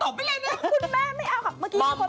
คุณแม่ไม่เอาค่ะเมื่อกี้มีคนบอก